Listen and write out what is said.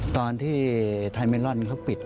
ตอนที่ไทยเมลอนเขาปิด